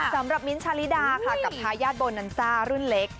มิ้นท์ชาลิดาค่ะกับทายาทโบนันซ่ารุ่นเล็ก